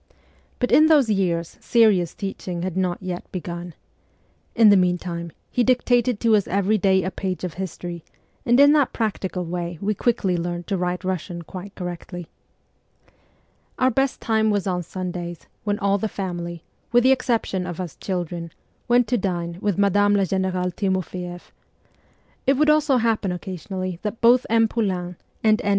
But in those years serious teaching had not yet begun. In the meantime he dictated to us every day a page of history ) and in that practical way we quickly learned to write Russian quite correctly. Our best time was on Sundays, when all the family, with the exception of us children, went to dine with Madame la Generale Timofeeff. It would also happen occasionally that both M. Poulain and N. P.